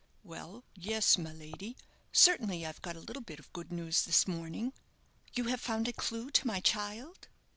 "Well, yes, my lady; certainly I've got a little bit of good news this morning." "You have found a clue to my child?"